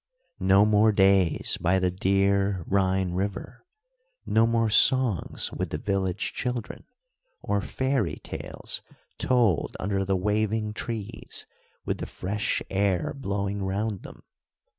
No more days by the dear Rhine River. No more songs with the village children, or fairy tales told under the waving trees with the fresh air blowing round them.